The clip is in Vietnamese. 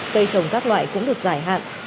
cây trồng các loại cũng được giải hạn